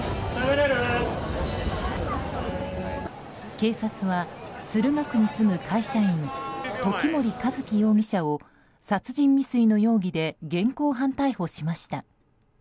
警察は駿河区に住む会社員時森一輝容疑者を殺人未遂の容疑で現行犯逮捕しました。